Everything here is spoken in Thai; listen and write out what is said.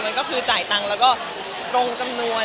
มันก็คือจ่ายตังค์แล้วก็ตรงจำนวน